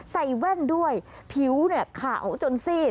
ใส่แว่นด้วยผิวขาวจนซีด